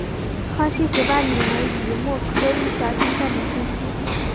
康熙十八年己未科一甲第三名进士。